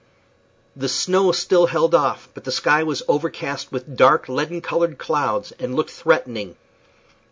The snow still held off, but the sky was overcast with dark, leaden colored clouds, and looked threatening.